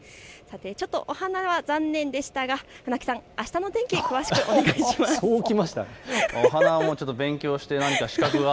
お花は残念でしたが船木さん、あしたの天気詳しくお願いします。